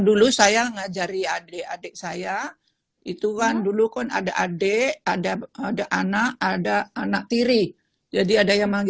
dulu saya mengajari adik adik saya itu kan dulu kan ada adik ada ada anak ada anak tiri jadi ada yang